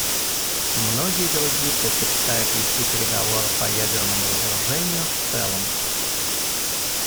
Многие другие предпочитают вести переговоры по ядерному разоружению в целом.